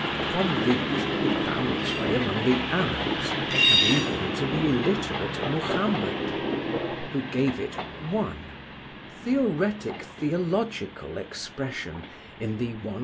From these it found its way among the Arabs, and even to the illiterate Muhammad, who gave it (1) theoretic theological expression in the cxii.